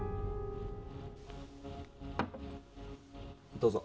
どうぞ。